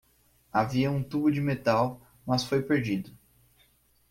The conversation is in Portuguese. Havia um tubo de metal, mas foi perdido